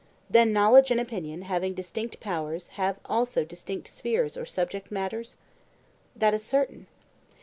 Then knowledge and opinion having distinct powers have also distinct spheres or subject matters? That is certain.